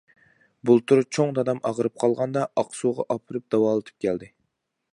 بۇلتۇر چوڭ دادام ئاغرىپ قالغاندا ئاقسۇغا ئاپىرىپ داۋالىتىپ كەلدى.